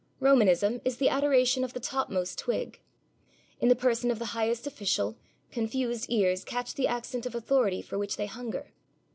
Romanism is the adoration of the topmost twig. In the person of the highest official, confused ears catch the accent of authority for which they hunger.